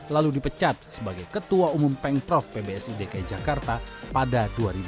lalu dipecat sebagai ketua umum peng prof pbsi dki jakarta pada dua ribu lima belas